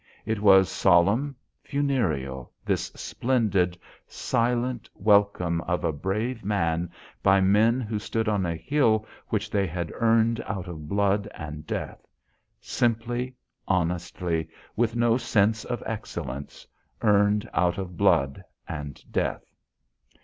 It was solemn, funereal, this splendid silent welcome of a brave man by men who stood on a hill which they had earned out of blood and death simply, honestly, with no sense of excellence, earned out of blood and death.